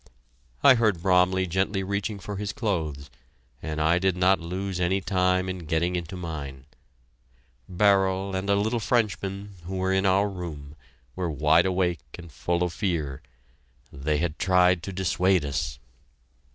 I heard Bromley gently reaching for his clothes, and I did not lose any time in getting into mine. Bherral and a little Frenchman, who were in our room, were wide awake and full of fear. They had tried to dissuade us.